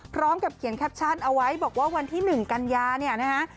พร้อมกับเขียนแคปชั่นเอาไว้บอกว่าวันที่๑กันยาเนี่ยนะฮะ